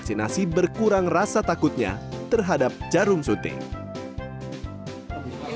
selain itu mereka juga minta warga yang sudah divaksin memberikan air minum dan air minum agar peserta vaksinasi tenang